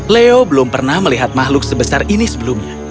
leo belum pernah melihat makhluk sebesar ini sebelumnya